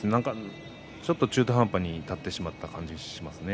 中途半端に立ってしまった感じがしますね